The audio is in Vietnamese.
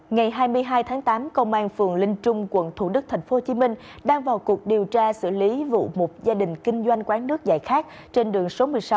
ngày hai mươi hai tháng tám công an phường linh trung quận thủ đức tp hcm đang vào cuộc điều tra xử lý vụ một gia đình kinh doanh quán nước giải khát trên đường số một mươi sáu